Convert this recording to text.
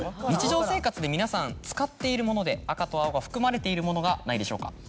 日常生活で皆さん使っているもので赤と青が含まれているものがないでしょうか？